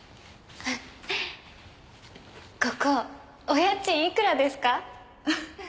ここお家賃いくらですか？